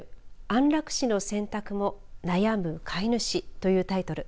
安楽死の選択も悩む飼い主というタイトル。